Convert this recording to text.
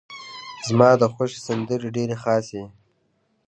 زما ده خوښې سندرې ډيرې خاصې دي.